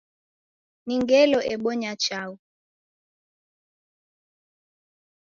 Ni ngelo ebonya chaghu.